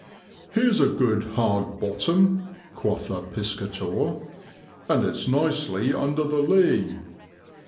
' Here's a good hard bottom,' quotha Piscator, ' and it's nicely under the lee.'